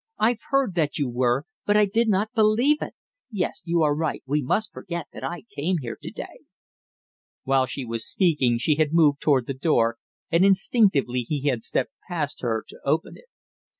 I'd heard that you were, but I did not believe it! Yes, you are right, we must forget that I came here to day." While she was speaking she had moved toward the door, and instinctively he had stepped past her to open it.